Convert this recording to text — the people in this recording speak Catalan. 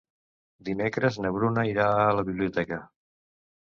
Dimecres na Bruna irà a la biblioteca.